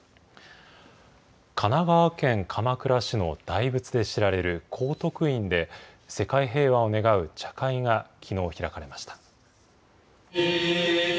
神奈川県鎌倉市の大仏で知られる高徳院で、世界平和を願う茶会がきのう、開かれました。